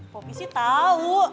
popi sih tau